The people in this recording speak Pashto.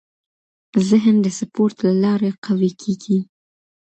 ذهن د سپورت له لارې قوي کېږي.